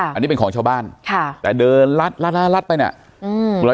อันนี้เป็นของชาวบ้านค่ะแต่เดินลัดลัดไปเนี่ย